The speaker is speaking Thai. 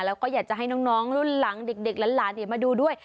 แล้วก็อยากจะให้น้องรุ่นหลังเด็กหลานมาดูด้วย